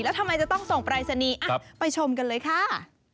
แล้วทำไมจะต้องส่งปรายศนีย์ไปชมกันเลยค่ะ